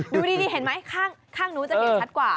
ดูดีเห็นไหมข้างนู้นจะเหนียวชัดกว่า